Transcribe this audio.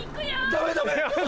ダメダメ！